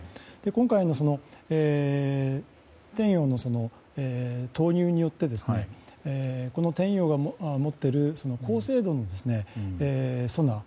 今回の「天洋」の投入によって「天洋」が持っている高精度のソナー